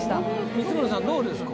光宗さんどうですか？